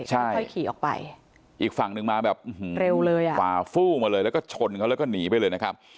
ใช่อีกฝั่งนึงมาแบบฝ่าฟู้มาเลยแล้วก็ชนเขาแล้วก็หนีไปเลยนะครับ